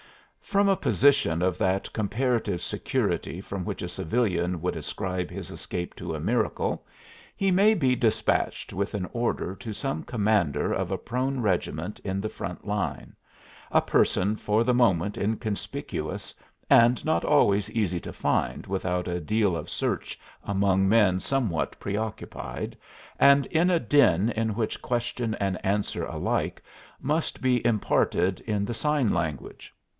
From a position of that comparative security from which a civilian would ascribe his escape to a "miracle," he may be despatched with an order to some commander of a prone regiment in the front line a person for the moment inconspicuous and not always easy to find without a deal of search among men somewhat preoccupied, and in a din in which question and answer alike must be imparted in the sign language.